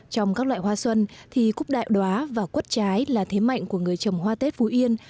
trong các loại hoa xuân thì cúc đại đoá và quất trái là thế mạnh của người trồng hoa tết phú yên